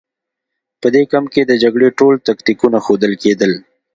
په دې کمپ کې د جګړې ټول تکتیکونه ښودل کېدل